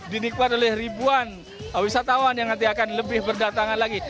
dinikmat oleh ribuan wisatawan yang nanti akan lebih berdatangan lagi